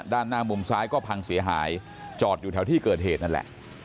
ด้านหน้ามุมซ้ายก็พังเสียหายจอดอยู่แถวที่เกิดเหตุนั่นแหละ